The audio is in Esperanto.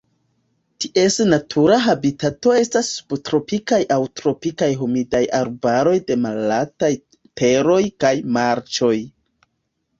Ties natura habitato estas subtropikaj aŭ tropikaj humidaj arbaroj de malaltaj teroj kaj marĉoj.